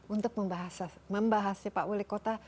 untuk membahasnya pak wali kota